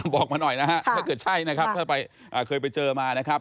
บอกมาหน่อยนะฮะถ้าเกิดใช่นะครับถ้าเคยไปเจอมานะครับ